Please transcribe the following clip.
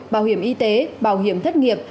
bảo hiểm y tế bảo hiểm thất nghiệp